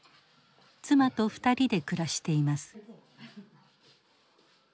妻と２人で暮らしています。